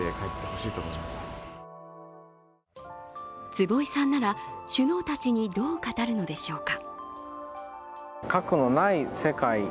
坪井さんなら、首脳たちにどう語るのでしょうか。